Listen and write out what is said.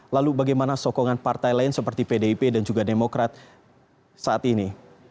lalu bagaimana sokongan partai lain seperti pdip dan juga demokrat saat ini